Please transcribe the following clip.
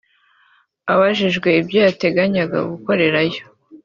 Abajijwe ibyo ateganya gukorerayo